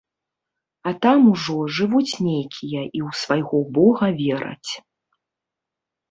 А там ужо жывуць нейкія і ў свайго бога вераць.